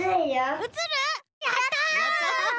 やった！